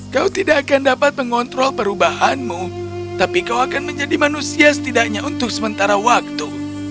kau tidak akan dapat mengontrol perubahanmu tapi kau akan menjadi manusia setidaknya untuk sementara waktu